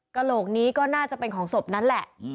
กระโหลกนี้ก็น่าจะเป็นของศพนั้นแหละ